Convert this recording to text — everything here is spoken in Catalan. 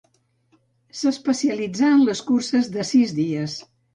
S'especialitzà en les curses de sis dies.